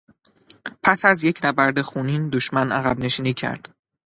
پس از یک نبرد خونین دشمن عقب نشینی کرد.